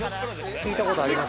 ◆聞いたことあります？